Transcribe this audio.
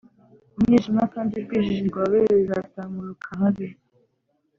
mu mwijima kandi urwijiji rwawe ruzatamuruka habe